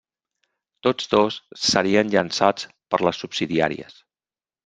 Tots dos serien llançats per les subsidiàries.